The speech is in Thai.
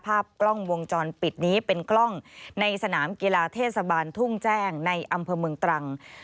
ภาพกล้องวงจรปิดนี้เป็นกล้องในสนามกีฬาเทศบาลทุ่งแจ้งในอำเภอเมืองตรัง